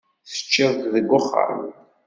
Teččiḍ-d deg uxxam?